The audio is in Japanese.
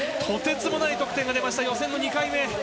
とてつもない得点が出ました予選２回目。